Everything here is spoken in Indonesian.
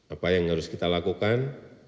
apa yang harus kita lakukan